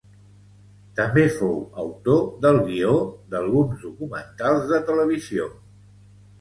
També fou autor del guió d'alguns documentals de televisió.